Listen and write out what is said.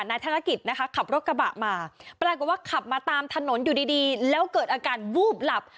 ธนกิจนะคะขับรถกระบะมาปรากฏว่าขับมาตามถนนอยู่ดีแล้วเกิดอาการวูบหลับ